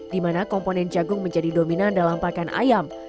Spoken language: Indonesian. di mana komponen jagung menjadi dominan dalam pakan ayam